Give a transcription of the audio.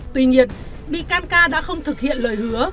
tuy nhiên bị can ca đã không thực hiện lời hứa